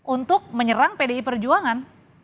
untuk menyerang pdi perjuangan